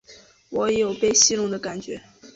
我有被戏弄的感觉